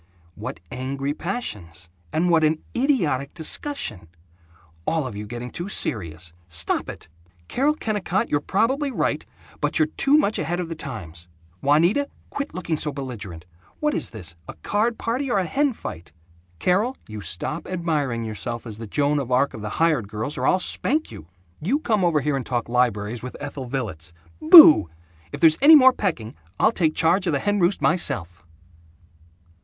What angry passions and what an idiotic discussion! All of you getting too serious. Stop it! Carol Kennicott, you're probably right, but you're too much ahead of the times. Juanita, quit looking so belligerent. What is this, a card party or a hen fight? Carol, you stop admiring yourself as the Joan of Arc of the hired girls, or I'll spank you. You come over here and talk libraries with Ethel Villets. Boooooo! If there's any more pecking, I'll take charge of the hen roost myself!"